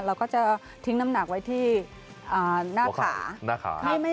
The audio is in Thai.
เราก็จะทิ้งน้ำหนักไว้ที่หน้าขาหน้าขา